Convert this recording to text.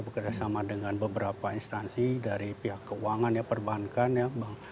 bekerjasama dengan beberapa instansi dari pihak keuangan ya perbankan ya